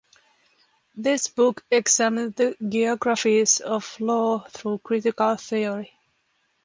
This book examined the geographies of law through critical theory.